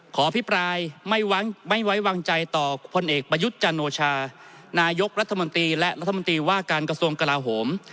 อภิปรายไม่ไว้วางใจต่อพลเอกประยุทธ์จันโอชานายกรัฐมนตรีและรัฐมนตรีว่าการกระทรวงกลาโหม